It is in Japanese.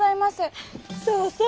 そうそう。